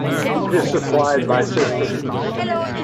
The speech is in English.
It is supplied by cisterns.